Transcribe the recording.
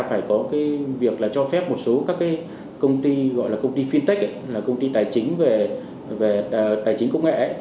phải có việc cho phép một số công ty gọi là công ty fintech là công ty tài chính về tài chính công nghệ